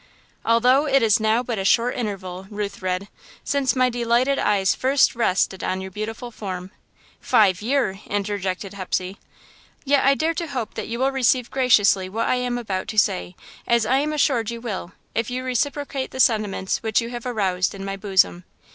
"Although it is now but a short interval," Ruth read, "since my delighted eyes first rested on your beautiful form " "Five year!" interjected Hepsey. " yet I dare to hope that you will receive graciously what I am about to say, as I am assured you will, if you reciprocate the sentiments which you have aroused in my bosom.